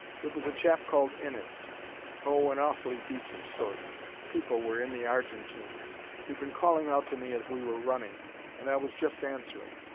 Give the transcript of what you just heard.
"It was a chap called Innes Oh, an awfully decent sort people were in the Argentine. He'd been calling out to me as we were running, and I was just answering.